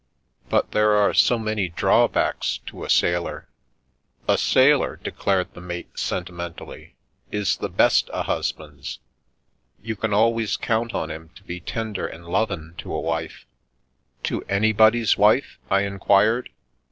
But there are so many drawbacks to a sailor "" A sailor," declared the mate sentimentally, " is the best o' husbands. You can always count on him to be tender and lovin' to a wife." To anybody's wife?" I inquired.